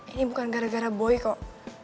ini bukan gara gara boy kok